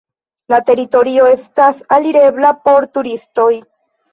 La teritorio estas alirebla por turistoj.